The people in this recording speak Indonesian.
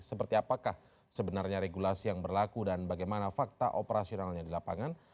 seperti apakah sebenarnya regulasi yang berlaku dan bagaimana fakta operasionalnya di lapangan